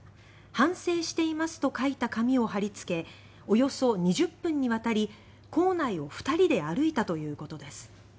反省しています」と書いた紙を貼り付けおよそ２０分にわたり校内を２人で歩いたということです。